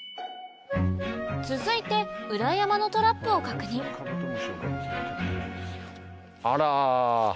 続いて裏山のトラップを確認あら。